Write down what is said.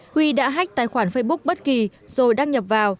huy đã hách tài khoản facebook bất kỳ rồi đăng nhập vào